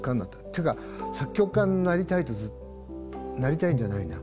というか作曲家になりたいとなりたいんじゃないな。